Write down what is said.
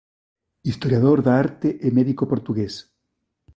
Historiador da arte e médico portugués.